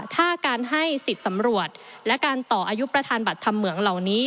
ถ้าการให้สิทธิ์สำรวจและการต่ออายุประธานบัตรทำเหมืองเหล่านี้